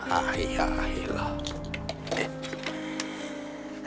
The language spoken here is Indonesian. ah ya allah